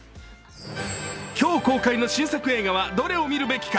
今日公開の新作映画はどれを見るべきか。